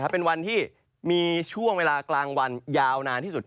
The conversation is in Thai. เป็นวันที่มีช่วงเวลากลางวันยาวนานที่สุด